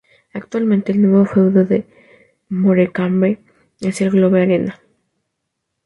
Actualmente el nuevo feudo del Morecambe es el Globe Arena.